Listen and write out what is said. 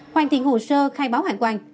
hoàn thiện hồ sơ khai báo hàng quan